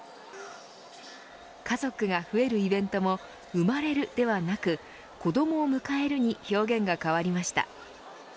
家族が増えるイベントも生まれるではなく子どもを迎えるに表現が変わりました。